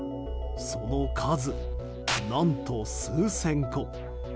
その数、何と数千個。